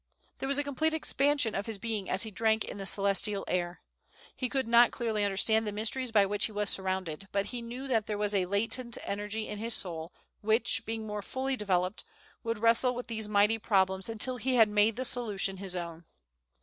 There was a complete expansion of his being as he drank in the celestial air. He could not clearly understand the mysteries by which he was surrounded, but he knew that there was a latent energy in his soul, which, being more fully developed, would wrestle with these mighty problems until he made the solution his own.